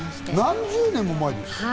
何十年も前ですか？